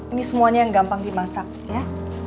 ini semuanya yang gampang dimasak ya